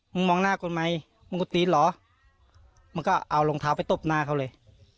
มองหน้ากูไหมมึงก็ตีนเหรอมึงก็เอารองเท้าไปตบหน้าเขาเลย